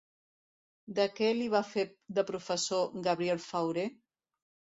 De què li va fer de professor Gabriel Fauré?